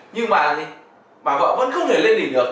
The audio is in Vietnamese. nhưng mà bà vợ vẫn không thể lên đỉnh được